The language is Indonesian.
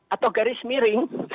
atau garis miring